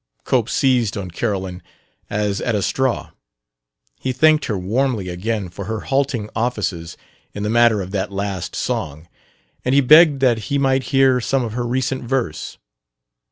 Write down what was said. Cope seized on Carolyn as at a straw. He thanked her warmly again for her halting offices in the matter of that last song, and he begged that he might hear some of her recent verse.